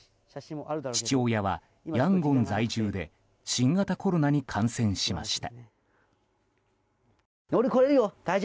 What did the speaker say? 父親はヤンゴン在住で新型コロナに感染しました。